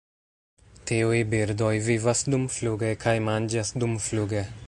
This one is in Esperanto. Tiuj birdoj vivas dumfluge kaj manĝas dumfluge.